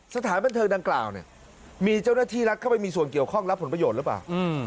สถานบันเทิงดังกล่าวเนี่ยมีเจ้าหน้าที่รัฐเข้าไปมีส่วนเกี่ยวข้องรับผลประโยชน์หรือเปล่า